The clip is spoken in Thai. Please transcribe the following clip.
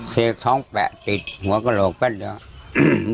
เศษท้องแปะติดโหวกะโหลกแป๊บเดี๋ยว